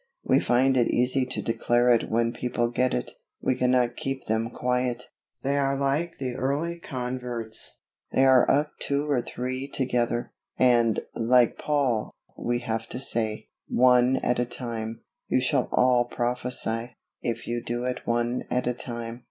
We find it easy to declare it when people get it. We cannot keep them quiet; they are like the early converts they are up two or three together; and, like Paul, we have to say, "One at a time; you shall all prophecy, if you do it one at a time."